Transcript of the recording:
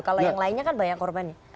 kalau yang lainnya kan banyak korbannya